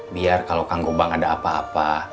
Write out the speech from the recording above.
biar kalau kang gubang ada apa apa